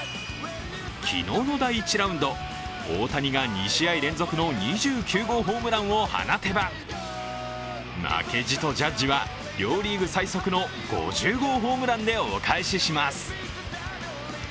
昨日の第１ラウンド、大谷が２試合連続の２９号ホームランを放てば負けじとジャッジは両リーグ最速の５０号ホームランでお返しします。